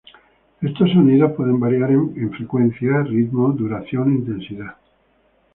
Estos sonidos pueden variar en frecuencia, ritmo, duración e intensidad.